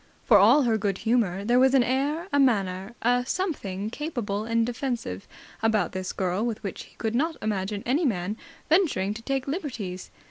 For all her good humour, there was an air, a manner, a something capable and defensive, about this girl with which he could not imagine any man venturing to take liberties.